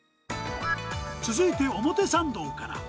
続いて、表参道から。